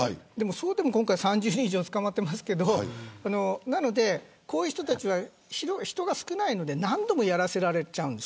それでも今回３０人以上が捕まっていますがこういう人たちは人が少ないので何度もやらされちゃうんです。